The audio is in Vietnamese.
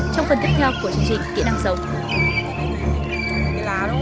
trong phần tiếp theo của chương trình kỹ năng sống